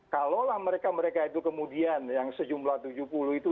kalaulah mereka mereka itu kemudian yang sejumlah tujuh puluh itu